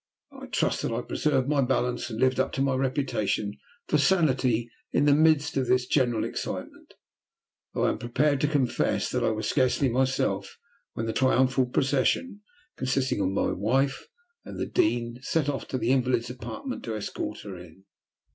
I trust that I preserved my balance and lived up to my reputation for sanity in the midst of this general excitement, though I am prepared to confess that I was scarcely myself when the triumphal procession, consisting of my wife and the Dean, set off to the invalid's apartment to escort her in.